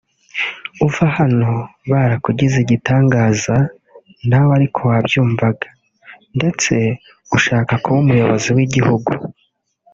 uva hano barakugize igitangaza nawe ari ko wabyumvaga ndetse ushaka kuba umuyobozi w’igihugu